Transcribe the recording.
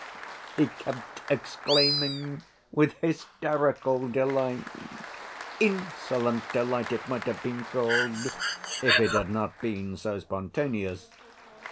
he kept exclaiming with hysterical delight; insolent delight it might have been called, if it had not been so spontaneous.